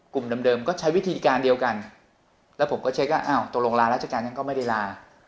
กลุ่มเดิมก็ใช้วิธีการเดียวกันแล้วผมก็เช็คว่าอ้าวตกลงลาราชการนั้นก็ไม่ได้ลา